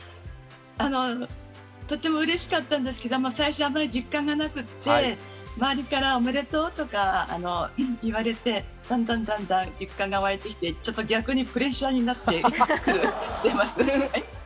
とてもうれしかったんですけれども、最初あまり実感がなくて周りからおめでとうとか言われてだんだん、実感が湧いてきて逆にプレッシャーになってきています。